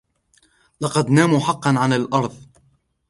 لقد ناموا حقا على الأرض.